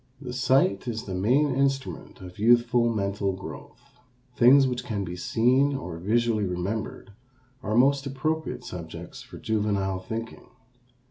The sight is the main instrument of youthful mental growth. Things which can be seen or visually remembered are most appropriate subjects for juvenile thinking.